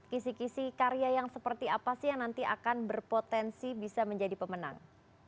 kisi kisi karya yang seperti apa sih yang nanti akan berpotensi bisa menjadi pemenang